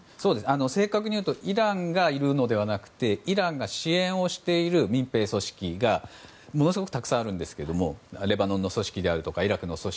正確に言うとイランが言うのではなくてイランが支援をしている民兵組織がものすごくたくさんあるんですがレバノンやイラクの組織